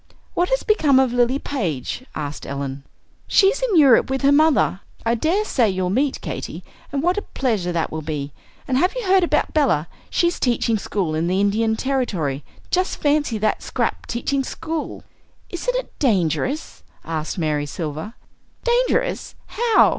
"What has become of Lilly Page?" asked Ellen. "She's in Europe with her mother. I dare say you'll meet, Katy, and what a pleasure that will be! And have you heard about Bella? she's teaching school in the Indian Territory. Just fancy that scrap teaching school!" "Isn't it dangerous?" asked Mary Silver. "Dangerous? How?